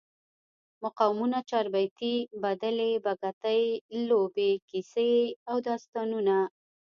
مقامونه، چاربیتې، بدلې، بګتی، لوبې، کیسې او داستانونه